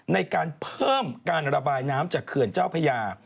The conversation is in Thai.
ในการเพิ่มการระบายน้ำจากเขื่อนเจ้าพญา